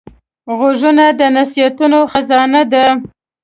غوږونه د نصیحتونو خزانه ده